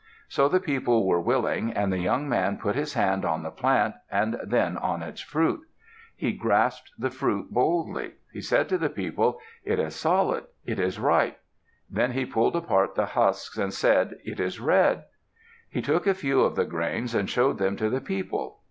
So the people were willing, and the young man put his hand on the plant and then on its fruit. He grasped the fruit boldly. He said to the people, "It is solid. It is ripe." Then he pulled apart the husks, and said, "It is red." He took a few of the grains and showed them to the people.